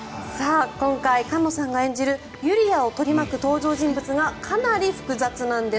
今回、菅野さんが演じるゆりあを取り巻く登場人物がかなり複雑なんです。